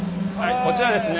こちらですね